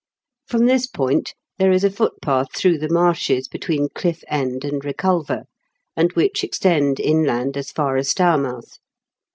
From this point there is a footpath through the marshes be tween Cliff End and Eeculver, and which extend inland as far as Stourmouth.